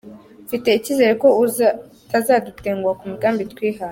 Mfite icyizere ko utazadutenguha ku migambi twihaye.